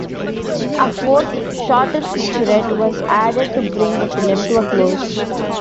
A fourth, shorter featurette was added to bring the film to a close.